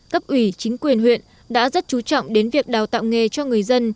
cấp ủy chính quyền huyện đã rất chú trọng đến việc đào tạo nghề cho người dân